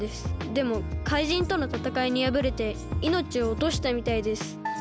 でもかいじんとのたたかいにやぶれていのちをおとしたみたいです。